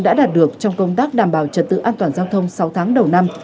đã đạt được trong công tác đảm bảo trật tự an toàn giao thông sáu tháng đầu năm